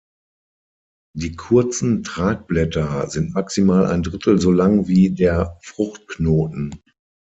Die kurzen Tragblätter sind maximal ein Drittel so lang wie der Fruchtknoten.